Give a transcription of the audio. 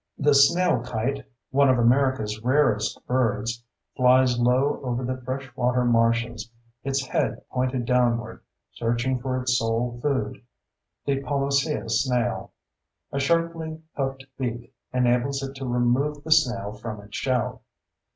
The snail kite, one of America's rarest birds, flies low over the fresh water marshes, its head pointed downward, searching for its sole food—the Pomacea snail. A sharply hooked beak enables it to remove the snail from its shell.